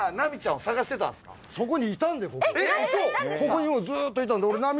ここにずっといたんで。